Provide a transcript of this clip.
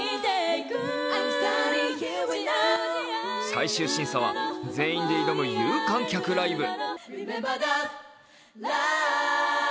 最終審査は全員で挑む有観客ライブ。